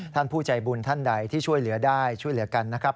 ท่านผู้ใจบุญท่านใดที่ช่วยเหลือได้ช่วยเหลือกันนะครับ